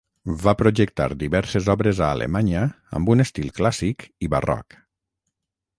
Va projectar diverses obres a Alemanya amb un estil clàssic i barroc.